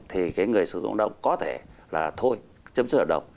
thì cái người sử dụng lao động có thể là thôi chấm sửa động